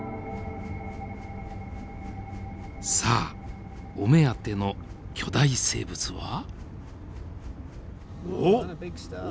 さあお目当ての巨大生物は？